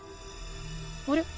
あれ？